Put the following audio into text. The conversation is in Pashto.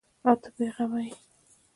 او ته بې غمه یې ؟